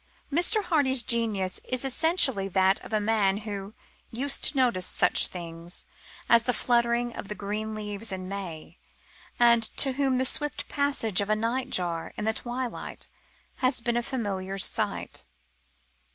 Mr. Hardy's genius is essentially that of a man who "used to notice such things" as the fluttering of the green leaves in May, and to whom the swift passage of a night jar in the twilight has "been a familiar sight."